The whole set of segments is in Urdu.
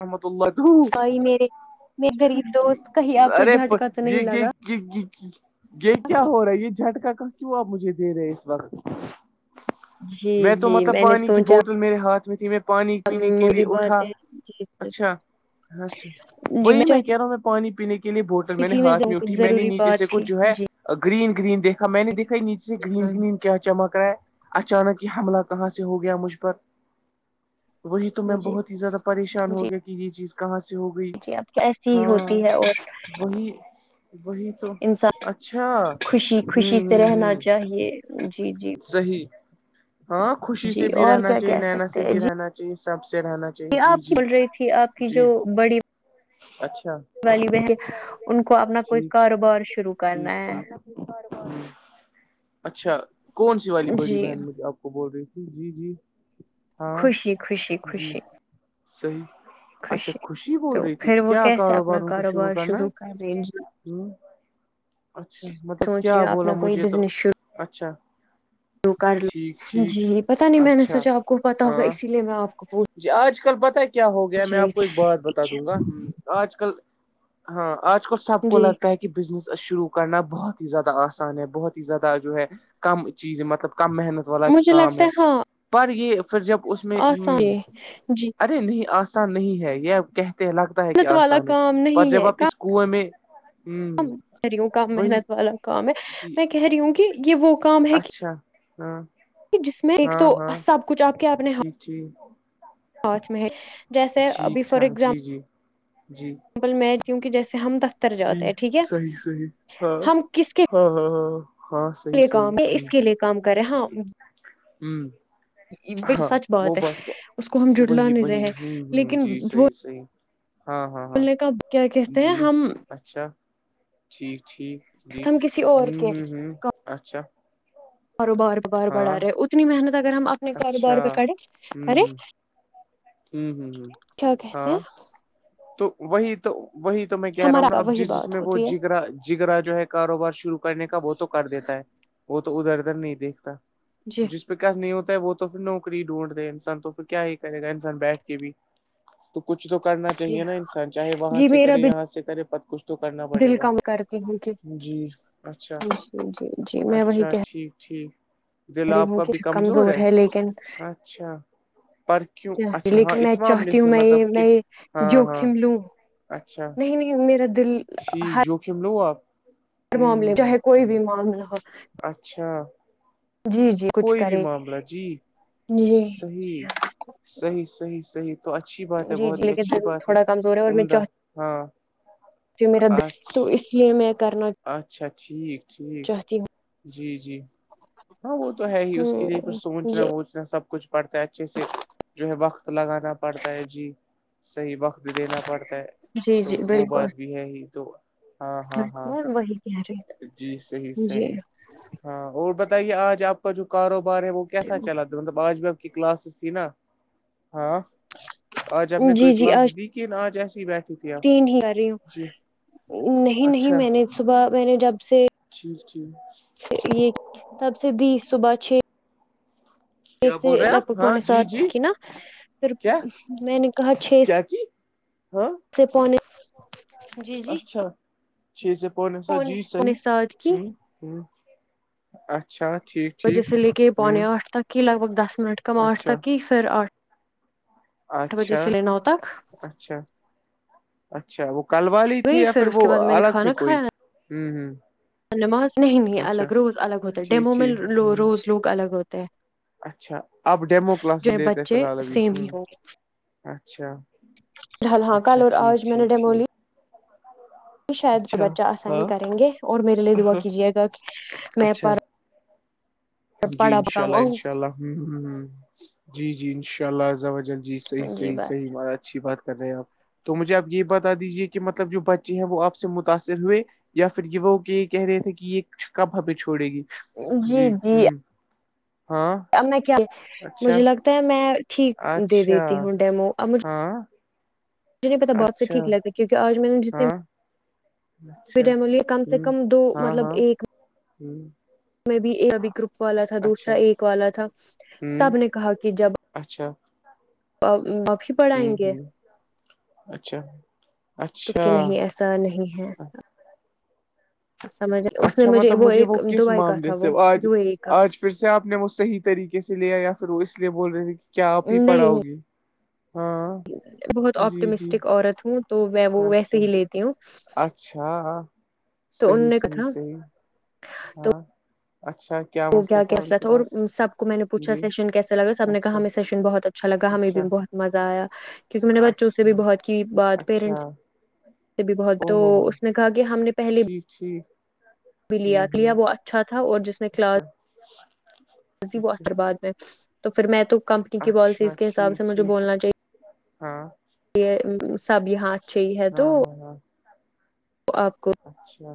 وحمۃ اللہ بھائی میرے میرے غریب دوست کہیں آپ کو ارے جھٹکا تو یہ نہیں لگا یہ یہ کیا ہو رہا ہے یہ جھٹکا کا کیوں آپ مجھے دے رہے اس وقت جی میں تو جی مطلب نے پانی کی سوچا بوتل میرے ہاتھ میں تھی میں پانی پینے کے لیے میری بات اٹھا ہے جی جی اچھا اچھا جی وہی میں کہہ چاہتی رہا ہوں میں پانی پینے کے لیے بوٹ میں نے تھی ہاتھ میں اٹھی کچھ میں نے ضروری نیچے بات سے کچھ تھی جو ہے جی گرین گرین دیکھا میں نے دیکا یہ نیچے گرین ہاں گرین کیا چمک رہا ہے اچانک یہ حملہ کہاں سے ہو گیا مجھ پر وہی تمہیں جی بہت ہی زیادہ پریشان جی ہو گیا کہ یہ چیز کہاں سے ہو گئی جی اب تو ایسی ہی ہاں ہوتی ہے اور وہی وہی تو انسان اچھا خوشی خوشی ہوں سے رہنا ہ چاہیے جی جی ہ صحیح ہاں خوشی جی سے بھی اور رہنا کیا چاہیے کہہ نینا سے بھی رہنا چاہیے سب سے رہنا چاہیے یہ جی آپ کی جی بول رہی تھی آپ کی جی جو بڑی اچھا والی بہن ان کو اپنا کوئی کاروبار شروع کہ کرنا ہے اچھا کون سی والی بڑی جی بہن مجھے آپ وہ بول رہی تھی جی جی ہاں خوشی خوشی جی خوشی صحیح اچھا خوشی تو بول رہی تھی پھر وہ کیا کیسے اپنا کاروبار ان کو کاروبار کرنا شروع ہے کر رہیں ہ اچھا مطلب سوچ کیا رہی ہوں بولا اپنا کوئی مجھے تو اچھا و کر ٹھیک لو ٹھیک جی پتا نہیں میں نے اچھا سوچا آپ کو پتا ہوگا ہاں اسی لیے میں آپ کو پوچ جی آج کل پتا کیا ہو گیا میں آپ کو ایک بات بتا تھی دوں گا آج کل ہاں آج کل سب کو جی لگتا ہے کہ کہ بزنس شروع کرنا بہت ہی زیادہ آسان ہے بہت ہی زیادہ جو ہے کم چیزیں مطلب کم محنت والا مجھے کام لگتا ہے ہاں پر یہ پھر جب اس میں ہ آسان جی ارے نہیں آسان نہیں ہے یہ کہتے الگ ہے کہ محنت والا آسان ہے کام پر نہیں جب ہے آپ اس کنویں میں ہ کہہ رہی ہوں کام وہی محنت والا کام ہے جی میں کہہ رہی ہوں کہ یہ وہ کام ہے کہ اچھا ہاں جس میں ایک تو سب کچھ آپ کے آپ نے جی میں جیسے ابھی ٹھیک فار ٹھاک جی ایگزامپل جی جی میں ج کہ جیسے ہم دفتر جی جاتے ہیں ٹھیک ہے ہم کس کے ا ہ ہاں صحیح لیے صحیح کام اس کے لیے کام کرے ہاں ہوں بالکل ہاں سچ وہ ہے بات تو اس کو ہم جٹلا وہی نہیں رہے وہی ہیں، ہوں ہ لیکن جی وہ صحی صحی بولنے کا کیا کہتے ہیں ہم اچھا ٹھیک ٹھیک جی ہم کسی اور ہوں کے ہوں ہوں اچھا کاروبار بار بڑھا ہاں رہے اتنی محنت اگر ہم اپنے کاروبار اچھا پہ کریں ہوں کریں ہوں ہوں ہوں ہ کہتے ہاں ہیں تو وہی تو وہی تو میں کہہ رہا ہوں نا ہمارا اب وہی جس جس بات میں وہ ہوتی ہے جگرا جگررا جو ہے کاروبار شروع کرنے کا وہ تو کر دیتا ہے وہ تو ادھر ادھر نہیں دیکھتا جی جیس وکس نہیں ہوتا ہے وہ تو پھر نوکری ڈھونڈ دے انسان تو پھر کیا ہی کرے گا انسان بیٹھ کے بھی تو کچھ تو کرنا چاہیے نا انسان چاہے وہاں جی سے میرا کرے بھی یہاں سے کرے پت کچھ تو کرنا پڑے دل گا کم کرتی ہوں کہ جی اچھا جی جی جی میں وہی اچھا کہہ ٹھیک ٹھیک دل رہی آپ ہوں کا کہ بھی کمزور ہے لیکن اچھا پر کیوں اچھا ہاں لیکن میں اس معاملے چاہتی ہوں سے میں مطلب یہ کہ میں یہ ہاں ہاں جوخم لوں اچھا نہیں نہیں میرا دل ٹھیک ہر جوخم لو آپ ہر ہ معاملے ہ چاہے کوئی ہ بھی معاملہ ہو اچھا جی جی کچھ کوئی بھی کرے معاملہ جی جی صی صیح سحی سحیح تو اچھی بات ہے جی جی بہت ہی لیکن اچھی بات ہے عمدہ ہاں پ میرا د تو اچھا اس لیے میں کرنا اچھا ٹھیک ٹھیک چاہتی ہوں جی جی ہاں وہ تو ہے ہی اس کے لیے پ ہ سوچنا جی وہ سب کچھ پڑتا ہے اچھے سے جو ہے وقت لگانا پڑتا ہے جی صحیح وقت دینا پڑتا ہے جی تو وہ بات بھی ہے ہی تو ہاں ہ ہاں ہاں کو وہی گارے جی صحیح صحیح ہاں اور بتائیے آج آپ کا جو کاروبار ہے وہ کیسا چلتا مطلب آج بھی آپ کی کلاسز تھی نا ہاں آج آپ نے جی کوئی جی کلاسز آج دی لیکن آج ایسی بیٹھ تین ہی آ رہی ہوں نہیں نہیں اچھا میں نے صبح میں نے جب سے ٹھیک ٹھیک یہ تب سے بھی صبح چھ اس کیا سے بول رہے ہیں لگ بھگ آپ ہاں پونے جی سات جی کی نا پھر کیا میں نے کہا چھ کیا کی ہاں سے پونے جی جی اچھا چھ سے پونے سا جی پونے صحیح سات کی ہوں ہوں اچھا ٹھیک و ٹھیک جیسے لے کے ہوں پونے آٹھ تک کی لگ بھگ دس منٹ کم آٹھ اچھا تک کی پھر آٹھ بجے اچھا سے لے نو تک اچھا اچھا وہ کل والی تھی گئی یا پھر اس وہ کے بعد میں نے الگ تھے کھانا کوئی کھایا ہ ہ نماز نہیں نہیں الگ روز الگ ہوتا ہے ٹھیک ڈیمو میں ٹھیک ہ روز لوگ الگ ہوتے ہیں اچھا آپ ڈیمو کلاس جو ہے لیتے ہیں فی بچے الحال ابھی سیم ہ اچھا ہ ہاں کل اچھا اور ٹھیک آوج میں نے ٹھیک ڈیمولی ٹھیک شاید اچھا بچہ اسائن ہاں کریں گے اور میرے لیے دعا کیجیے گا کہ میں اچھا پر جی پڑھا انشاء اللہ کماؤں انشاء اللہ ہ ہ جی جی انشاء اللہ جی جی صحیح بس صح اچھی بات کر رہے ہیں آپ تو مجھے آپ یہ بتا دیجیے کہ مطلب جو بچے ہیں وہ آپ سے متاثر ہوئے یا پھر یہ وہ کہ کہہ رہے تھے کہ یہ کب ہمیں چھوڑے گی جی ہوں اب میں کیا مجھے لگتا ہے میں ٹھیک دے دیتی اچھا ہوں ڈیمو ا مجھ ہاں جہیں پتا بہت سے ٹھیک اچھا لگتا کیکہ آج میں نے جتنے ہاں اچھا پٹملیے کم سے ہ کم دو ہاں مطلب ہاں ایک ہ میں بھی ابھی گروپ والا تھا اچھا دوسرا ایک والا تھا ہ سب نے کہا کہ ک جب اچھا مف جی ج اچھا تو کہ نہیں اچھا ایسا نہیں ہے سمجھ اس نے اچھا مطلب مجھے ایک وہ کس دبئی کا معاملے تھا سے وہ آج یو اے کا آج پھر سے آپ نے وہ صحیح طریقے سے لیا یا پھر وہ اس لیے بول رہے تھے کہ کیا آپ ہی پڑھاؤ نہیں گی بہت آپٹمسٹک عورت ہوں تو میں وہ اچھا ویسے ہی لیتی ہوں اچھا تو انہوں صحیح نے صحیح کہا صحیح ہاں اچھا تو کیا مسئلہ ان کیسلا کے تھا اور پاس سب کو میں نے پوچھا جی سشن کیس لگا سب نے کہا اچھا ہمیں سشن بہت اچھا اچھا لگا ہمیں بھی بہت مزہ آیا کیونکہ میں نے بچوں سے بھی اچھا بہت کی بات اچھا پیرنٹس سے بھی بہت تو اس نے کہا کہ ہم نے پہلی چھ بھی لیا لیا وہ اچھا تھا اور جس نے کلاس ج می وہ احترباد میں تو پھر میں تو کمپنی کی اچھا پالیسیز کے حساب سے ٹھیک مجھے ٹھیک بولنا چاہیے ہاں یہ سب یہاں اچھے ہی ہے تو ہاں ہاں ہاں وہ آپ کو اچھا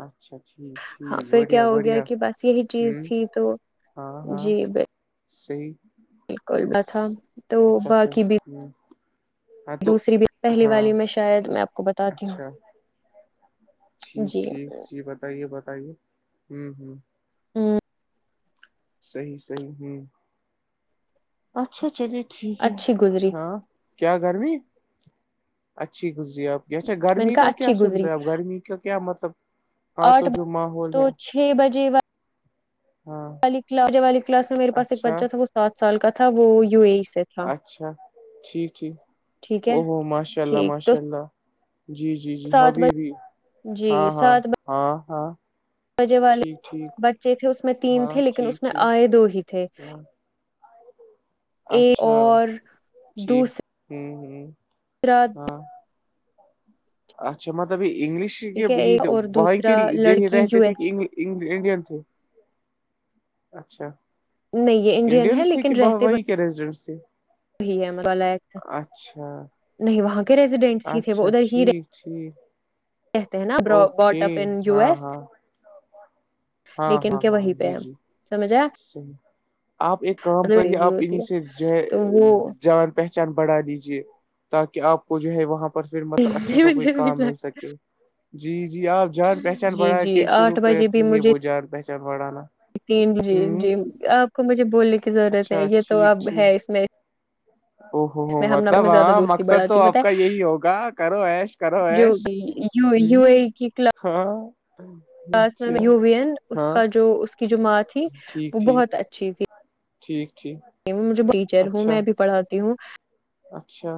اچھا جٹھیک ہاں پھر کیا ہو گیا کہ بس یہی چیز ہوں تھی تو ہاں ہاں جی صی بالکل تھا تو باقی بھی ہی دوسری پہلی والی میں شاید میں آپ کو بتاتی ہوں جی ٹھیک جی بتائیے بتائیے ہوں ہوں ہوں صحیح صحیح ہوں اچھا چلیے ٹھیک ہے اچھی گزری ہاں کیا گرمی اچھی گزری آپ جچا میں نے گرمی کہا کا کیا اچھی سن گزری رہا اب گرمی کا کیا مطلب ہاں تو آٹھ جو ماحول تو ہے بجے ہاں س جب والی کلاس میں میرے پاس ایک اچھا بچہ تھا وہ سات سال کا تھا وہ یو اے ای سے تھا اچھا ٹھیک ٹھیک ٹھیک ہے او ہوو ماشاء اللہ ٹھیک تو ماشاء اللہ جی جی جی جی سات ابھی بھی بجے ہاں ہاں ہاں ہاں جے والے ٹھیک ٹھیک بچے تھے اس میں تین ہاں تھے لیکن اس ٹھیک میں ٹھیک آئے دو ہی تھے ہاں ایک اچھا اور ٹھیک دوسرے ہوں ہ اراد ہاں اچا مطلب یہ انگلش کے ٹھیک ہے ایک اور وائ دوسرا د لڑکی یو ایس انڈ تھ اچھا نہیں یہ انڈین ہے انڈینس تھے کہ لیکن رہتے بوی کے ریزیڈنٹس تھے ہے اچھا نہیں وہاں کے ریزیڈینس تھے وہ اچھا ادھر ہی ٹھیک ٹھیک کہتے ہیں نا بٹ اوکے اپ یو ہاں ایس ہاں ہاں لیکن ہاں کے ہاں وہیں پہ جی ہے سمجھا جییح آپ ایک کام کریے مطلبزی آپ ہوتی انہیں ہے سے تو وہ ج جان پہ چ بڑھا دیجے تاکہ آپ کو جو ہے وہاں پھر مطلب اچھا سا کوئی کام مل سکے جی جی آپ جان پہچان جی بڑھا جی کے شروع آٹھ بجے بھی کرتی ہے مجھے وہ جان پہچان بڑھانا تین جی ہوں جی آپ کو مجھے بولنے کی ضرورت ہے اچھا یہ تو ٹھیک اب ہے ٹھیک اس میں او ہوو ہو اس میں ہم ن مطلب میں زیادہ ہاں دوستی مقصد تو بڑھاتی پت آپ ہے کا یہی ہوگا کرو ایش کرو ایش جو یو ہوں اے کی کلب ہاں س اچھا یووین اس ہاں کا جو اس کی جو ماں تھی ٹھیک وہ ٹھیک بہت اچھی تھی ٹھیک ٹھیک مجھے ٹیچر ہوں اچھا میں بھی پڑاتی ہوں اچھا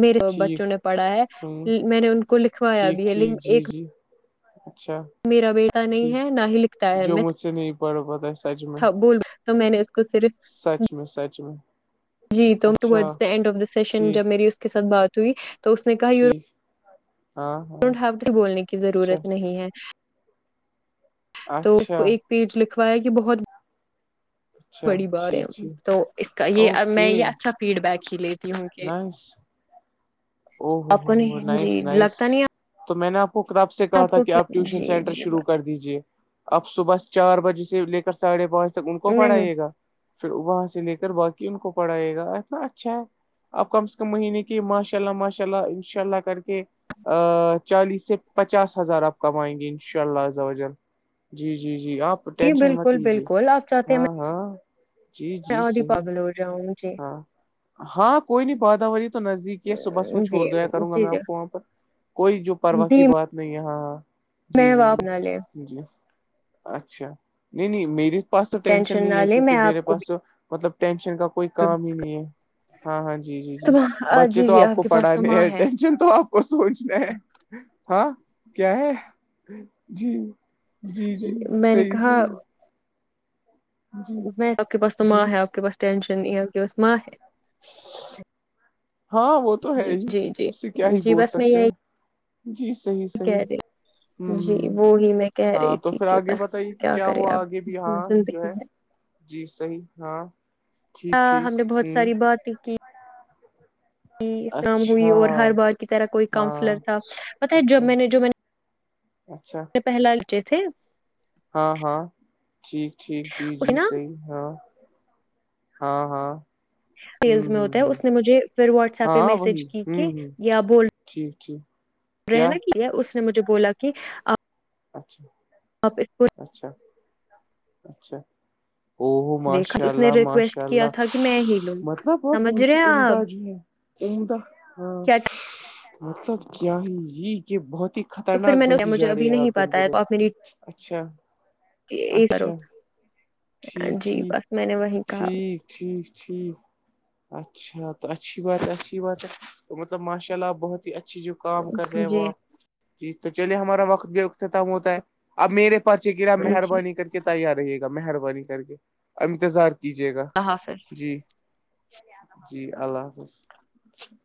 میرے ٹھیک بچوں نے پڑھا ہوں ہے میں نے ان کو لکھوایا ٹھیک بھی ہے ل ٹھیک جی ایک جی اچھا میرا بیٹا نہیں ٹھیک ہے نہ ہی لکھتا ہے جو میں مجھ سے نہیں پڑ پاتا ہے سچ میں بول تو میں نے اس کو صرف سچ میں سچ میں جی اچھا توینڈ آف دا سیشن جب ٹھیک میری اس کے ساتھ بات ہوئی تو اس نے کہا ی ٹھیک ہاں ہاں بولنے کی اچھا ضرورت نہیں ہے تو اس کو اچھا ایک پیج لکھوایا کہ بہت اچھا بڑی بات ہے ٹھیک ٹھیک تو اس کا یہ میں یہ اچھا فیڈ بیک ہی لیتی ہوں کہ نہیں او ہوو آپ ہو کو ہو نہیں جی نس نس لگتا نہیں تو میں نے آپ کو کتاب سے کہا تھا کو کہ آپ ٹیوشن جی سینٹر جی شروع بات کر دیجیے اب صبح چار بجے سے لے کر ساڑھے پانچ تک ان کو نہیں پڑھائیے گا پھر وہاں سے لے کر باقی ان کو پڑھائے گا اتنا اچھا ہے اب کم سے کم مہینے کی ماشاء اللہ ماشاء اللہ انشاء اللہ کر کے چالیس سے پچاس ہزار آپ کمائیں گے انشاء اللہ ز جی جی جی آپ جی ٹینشن مت بالکل لیجیے بالکل آپ چاہتے ہیں ہاں ہاں جی میں جی اور دیپا صحیح بل جاؤں جی ہاں کوئی نہیں بادا وی تو نزدیک ہی ہے صبح ص وہ جی چھوڑ دیا کروں گا جی میں آپ کو وہاں پر کوئی جو پرواہ کی جی بات نہیں ہاںاں میں آپ بنا لیا جی اچھا نہیں نہیں میرے پاس تو آپ ٹینشن نہیں نہ ہے لیں کیونکہ میں میرے آپ کو پاس تو مطلب ٹینشن کا کوئی کام ہی نہیں ہے ہاں ہاں جی جی جی بچے جی تو جی آپ کو کے پاس تو پڑھانے ماں ہے ہیں تو آپ کو سوچنا ہے ہاں کیا ہے جی جی جی میں نے صحیح کہا صحیح جی نہیں آپ کے پاس تو ماں جی ہے آپ کے پاس ٹینشن نہیں ہے آپ کے پاس ماں ہے ہاں وہ تو ہے جی ہی جی جی اس سے کیا ہی جی بول بس میں سکتے یہی ہیں جی صحیح کہہ صحیح رہی جی ہوں ہ وہی میں کہہ رہی ہاں تو تھی پھر کہ آگے بس بتائیے کہ کیا کرے ہوا اب آگے بھی ہاں جو زندگی ہے جی صحیح ہاں ٹھیک ہاں ہم ٹھیک نے بہت ہوں ساری باتیں کی کاام ہوئی اچھا اور ہر بار کی طرح کوئی ہاں کانسلر تھا پت ہے جب اچھا میں نے جو میں نے اچھا پہلالچے تھے ہاں ہاں ٹھیک ٹھیک جی اس جی نا صحیح ہاں ہاں ہاں ہوں سیلس میں ہوں ہوتا ہے ہوں اس نے مجھے پھر واٹس ایپ پہ ہاں میسج وہی کی کے ہوں ہ یا بول ٹھیک ٹھیک کیا رہنا کی ہے اس نے مجھے بولا کہ اچھا آپ اس کو اچھا اچھا ا دیکھا ماشاء اس نے اللہ ریکویسٹ ماشاء کیا اللہ تھا کہ میں ہی لوں مطلب وہ سمجھ بہت رہے ہی ہیں آپ عمدہ جی ہے عمدہ ہاں کیا مطلب کیا ہی یہ کہ بہت ہی تو پھر خطرناک میں نے بنتی مجھے جا رہی ابھی ہے نہیں آپ دن پتا ہے تو بدن آپ میری اچھا کرو اچھا ٹھیک جی ٹھیک بس میں نے وہی کہا ٹھیک ٹھیک ٹھیک اچھا تو اچھی بات ہے اچھی بات ہے تو مطلب ماشاء اللہ بہت اچھی جو کام کر رہے ہیں جی وہ آپ جی تو چلیے ہمارا وقت بھی و ختم ہوتا ہے اب میرے پرچے گا جی مہربانی کر کے کہ تیار رہے گا مہربانی کر کے انتظار کیجیے گا اللہ حافظ جی جی اللہ حافظ